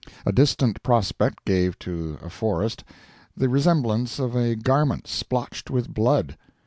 A distant prospect gave to a forest the resemblance of a garment splotched with blood.